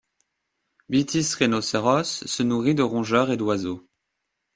Bitis rhinoceros se nourrit de rongeurs et d'oiseaux.